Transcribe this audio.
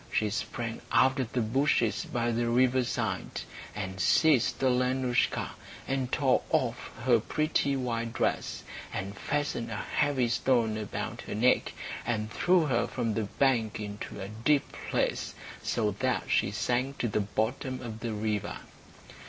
She sprang out of the bushes by the riverside, and seized Alenoushka, and tore off her pretty white dress, and fastened a heavy stone about her neck, and threw her from the bank into a deep place, so that she sank to the bottom of the river.